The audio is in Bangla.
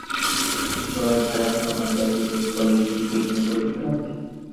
জয়ের ধারায় থাকা মুম্বাই কি পেস বোলিংয়ে শিগগিরই কোনো পরিবর্তন আনবে?